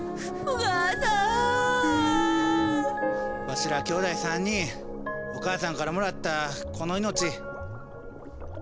わしらきょうだい３人お母さんからもらったこの命大切にせんとあかんな。